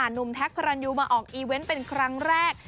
แท็กพระรันยูมาออกอีเวนต์เป็นครั้งแรก